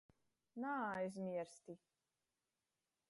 Naaizmiersti!